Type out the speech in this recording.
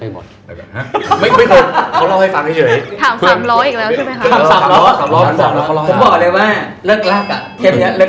เข้มเยอะเรื่องราก